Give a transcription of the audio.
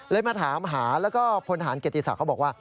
เลยมาถามหาแล้วก็ผลฐานเกติศาสตร์เขาบอกว่า